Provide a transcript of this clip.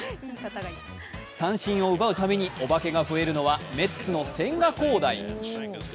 三振を奪うたびにお化けが増えるのはメッツの千賀滉大。